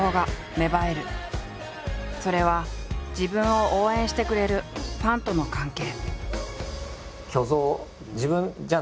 それは自分を応援してくれるファンとの関係。